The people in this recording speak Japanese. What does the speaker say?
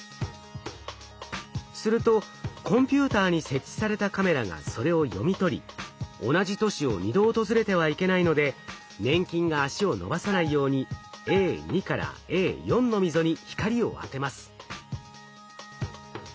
するとコンピューターに設置されたカメラがそれを読み取り同じ都市を２度訪れてはいけないので粘菌が足を伸ばさないようにＡ２からＡ４の溝に光を当てます。